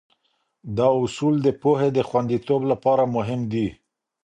دا اصول د پوهې د خونديتوب لپاره مهم دي.